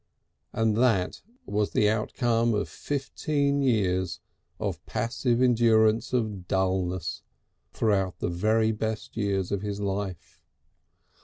And that was the outcome of fifteen years of passive endurance of dulness throughout the best years of his life!